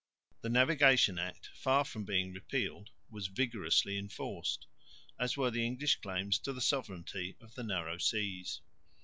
The Navigation Act, far from being repealed, was vigorously enforced, as were the English claims to the sovereignty of the narrow seas.